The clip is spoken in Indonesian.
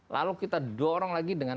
lalu kita dorong lagi dengan